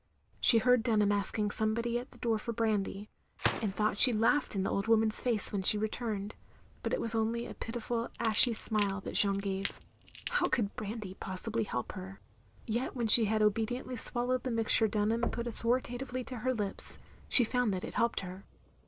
She heard Dunham asking somebody at the door for brandy, and thought she laughed in the old woman's face when she returned; but it was only a pitiful ashy smile that Jeanne gave. How could brandy possibly help her? Yet when she had obediently swallowed the mixture Dun ham put authoritatively to her lips, she found that it helped her.